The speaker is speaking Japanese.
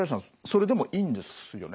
それでもいいんですよね？